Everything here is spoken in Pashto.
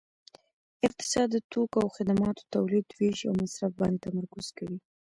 اقتصاد د توکو او خدماتو تولید ویش او مصرف باندې تمرکز کوي